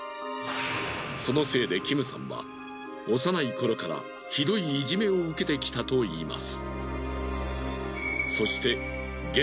そのせいでキムさんは幼い頃から酷いイジメを受けてきたといいます。